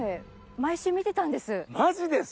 毎週見てたんです。